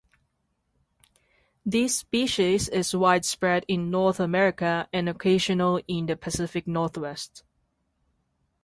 This species is widespread in North America and occasional in the Pacific Northwest.